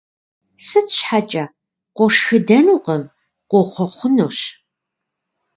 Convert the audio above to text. Сыт щхьэкӀэ? Къошхыдэнукъым, къохъуэхъунущ.